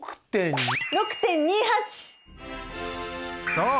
そう！